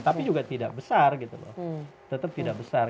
tapi juga tidak besar